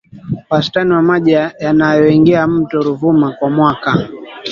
Wastani wa maji yanayoingia mto Ruvuma kwa mwaka